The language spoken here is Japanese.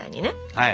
はい。